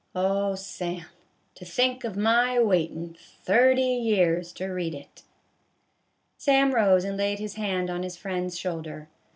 Oh, Sam, to think of my waitin' thirty years to read it !" Sam rose and laid his hand on his friend's shoulder.